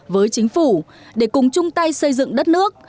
với chính phủ để cùng chung tay xây dựng đất nước